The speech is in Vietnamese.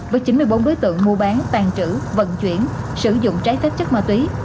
với chín mươi bốn đối tượng mua bán tàn trữ vận chuyển sử dụng trái phép chất ma túy